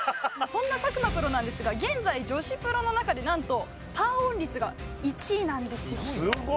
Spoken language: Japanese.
そんな佐久間プロなんですが、現在、女子プロの中でなんとパーオン率が１位なんです。